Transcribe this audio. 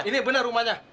ini bener rumahnya